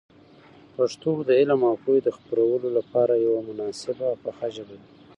پښتو د علم او پوهي د خپرولو لپاره یوه مناسبه او پخه ژبه ده.